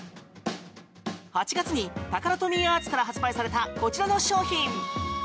８月にタカラトミーアーツから発売されたこちらの商品。